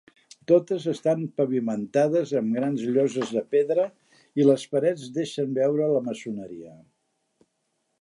Totes estan pavimentades amb grans lloses de pedra i les parets deixen veure la maçoneria.